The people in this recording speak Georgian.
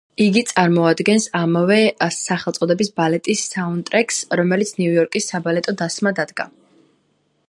იგი წარმოადგენს ამავე სახელწოდების ბალეტის საუნდტრეკს, რომელიც ნიუ-იორკის საბალეტო დასმა დადგა.